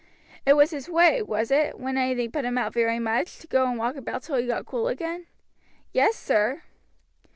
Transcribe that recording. "It was his way, was it, when anything put him out very much, to go and walk about till he got cool again?" "Yes, sir."